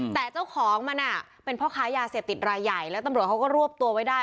แต่เจ้าของมันเป็นพ่อค้ายาเสพติดรายใหญ่แล้วตำรวจเขาก็รวบตัวไว้ได้